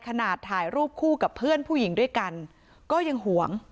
ถ่ายรูปคู่กับเพื่อนผู้หญิงด้วยกันก็ยังห่วง